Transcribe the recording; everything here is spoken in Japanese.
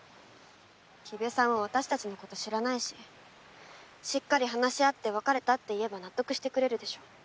木部さんは私たちのこと知らないししっかり話し合って別れたって言えば納得してくれるでしょ